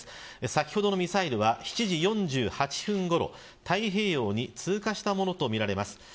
先ほどのミサイルは７時４８分ごろ太平洋に通過したとみられます。